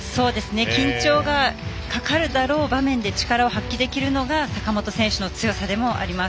緊張がかかるだろう場面で力を発揮できるのが坂本選手の強さでもあります。